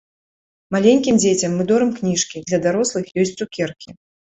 Маленькім дзецям мы дорым кніжкі, для дарослых ёсць цукеркі.